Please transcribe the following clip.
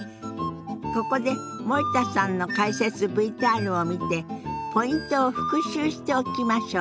ここで森田さんの解説ＶＴＲを見てポイントを復習しておきましょう。